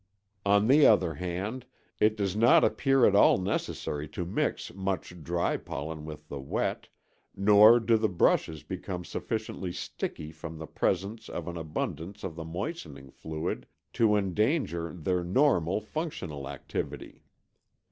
On the other hand, it does not appear at all necessary to mix much dry pollen with the wet, nor do the brushes become sufficiently "sticky" from the presence of an abundance of the moistening fluid to endanger their normal functional activity.